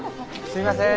すいません。